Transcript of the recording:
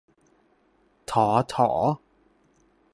ฐอ ถอ